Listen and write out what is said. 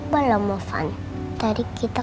belum opan tadi kita